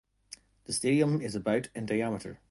The stadium is about in diameter.